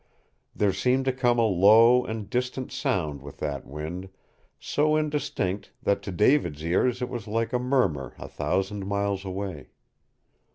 There seemed to come a low and distant sound with that wind, so indistinct that to David's ears it was like a murmur a thousand miles away.